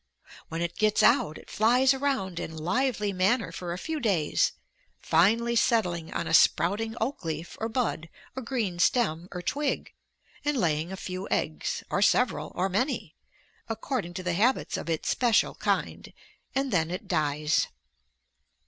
When it gets out it flies around in lively manner for a few days, finally settling on a sprouting oak leaf or bud or green stem or twig, and laying a few eggs, or several, or many, according to the habits of its special kind, and then it dies.